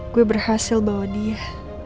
gue berhasil bawa dia